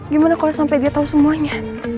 gimana kalo sampe dia tau semuanya